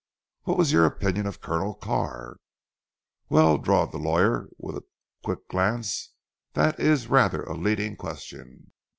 "What was your opinion of Colonel Carr?" "Well," drawled the lawyer with a quick glance, "that is rather a leading question.